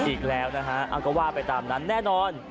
อีกแล้วนะฮะก็ว่าไปตามนั้นแน่นอน